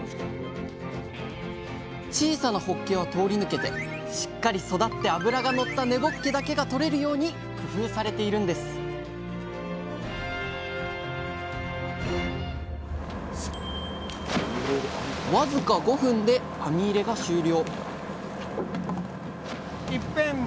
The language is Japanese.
小さなほっけは通り抜けてしっかり育って脂がのった根ぼっけだけがとれるように工夫されているんですわずか５分で網入れが終了！